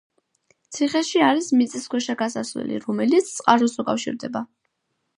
ციხეში არის მიწისქვეშა გასასვლელი, რომელიც წყაროს უკავშირდება.